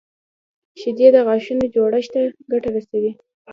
شیدې د غاښونو جوړښت ته ګټه رسوي